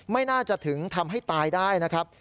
ไม่น่าจะถึงทำให้ตายได้นะครับ